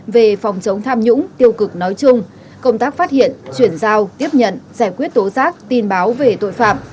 về phòng chống tham nhũng tiêu cực nói chung công tác phát hiện chuyển giao tiếp nhận giải quyết tố giác tin báo về tội phạm